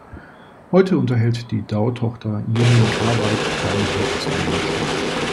Heute unterhält die Dow-Tochter Union Carbide keine Büros mehr in der Stadt.